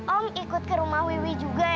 om ikut ke rumah wiwi juga ya